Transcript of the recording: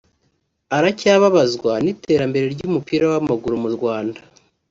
Aracyababazwa n’iterambere ry’umupira w’amaguru mu Rwanda